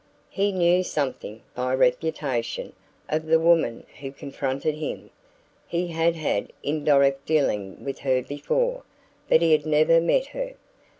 He knew something, by reputation, of the woman who confronted him. He had had indirect dealing with her before, but he had never met her.